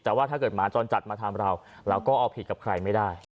แต่ว่าถ้าเกิดหมาจรจัดมาทำเราเราก็เอาผิดกับใครไม่ได้